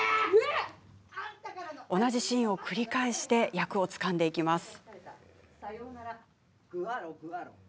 同じシーンを繰り返し役をつかんでいきます。